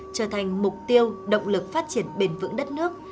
trở thành mục tiêu động lực phát triển bền vững đất nước